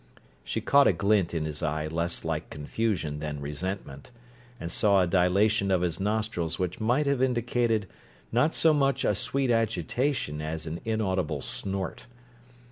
She caught a glint in his eye less like confusion than resentment, and saw a dilation of his nostrils which might have indicated not so much a sweet agitation as an inaudible snort.